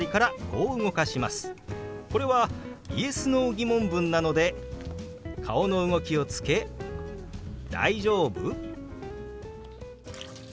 これはＹｅｓ／Ｎｏー疑問文なので顔の動きをつけ「大丈夫？」。